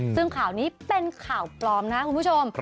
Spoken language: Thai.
ซึ่งข่าวนี้เป็นข่าวปลอมนะคุณผู้ชม